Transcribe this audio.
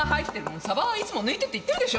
サバはいつも抜いてって言ってるでしょ！